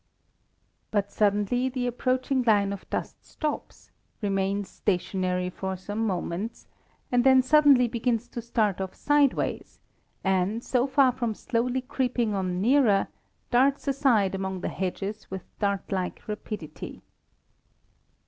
But suddenly the approaching line of dust stops, remains stationary for some moments, and then suddenly begins to start off sideways, and, so far from slowly creeping on nearer, darts aside among the hedges with dart like rapidity.